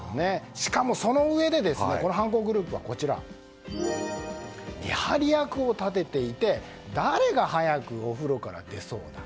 しかも、そのうえでこの犯行グループは見張り役を立てていて誰が早くお風呂から出そうだ。